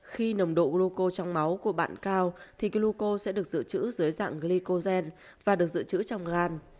khi nồng độ groco trong máu của bạn cao thì gluco sẽ được dự trữ dưới dạng glycogen và được dự trữ trong gan